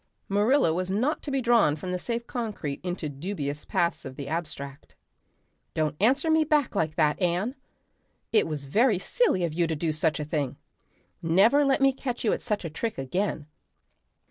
Marilla was not to be drawn from the safe concrete into dubious paths of the abstract. "Don't answer me back like that, Anne. It was very silly of you to do such a thing. Never let me catch you at such a trick again.